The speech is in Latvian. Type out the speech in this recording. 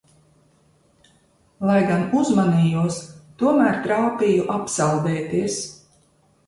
Lai gan uzmanījos – tomēr trāpīju apsaldēties.